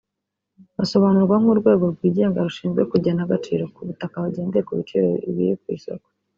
basobanurwa nk’urwego rw’igenga rushinzwe kugena agaciro ku butaka bagendeye ku biciro biri ku isoko